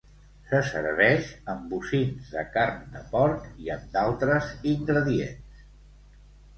Se serveix amb bocins de carn de porc i amb d'altres ingredients.